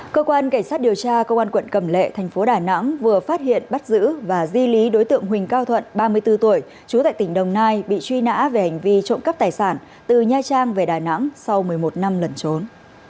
cơ quan cảnh sát điều tra công an quận cầm lệ thành phố đà nẵng vừa phát hiện bắt giữ và di lý đối tượng huỳnh cao thuận ba mươi bốn tuổi trú tại tỉnh đồng nai bị truy nã về hành vi trộm cắp tài sản từ nha trang về đà nẵng sau một mươi một năm lẩn trốn